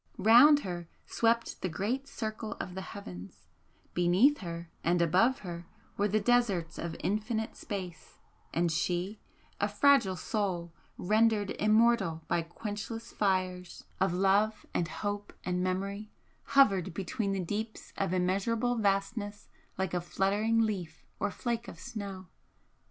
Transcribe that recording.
Round her swept the great circle of the heavens beneath her and above her were the deserts of infinite space and she, a fragile soul rendered immortal by quenchless fires of love and hope and memory, hovered between the deeps of immeasurable vastness like a fluttering leaf or flake of snow!